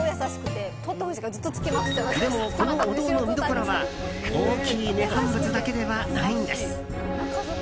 でも、このお堂の見どころは大きい涅槃仏だけではないんです。